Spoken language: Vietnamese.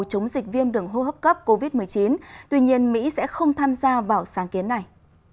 chống dịch viêm đường hô hấp cấp covid một mươi chín tuy nhiên mỹ sẽ không tham gia vào sáng kiến này